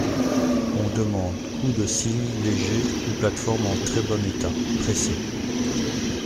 On demande cou de cygne léger ou plate-forme en très bon état, pressé.